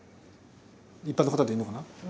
一般の方でいいのかな？